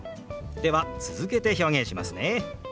では続けて表現しますね。